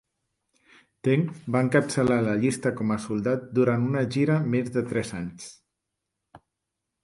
Tench va encapçalar la llista com a soldat durant una gira més de tres anys.